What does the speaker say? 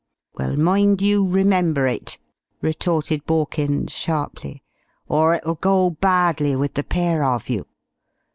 "Well, mind you remember it!" retorted Borkins sharply. "Or it'll go badly with the pair of you.